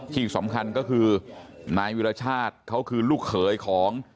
ที่สำคัญก็คือนายวิรชาติเขาคือลูกเขยของ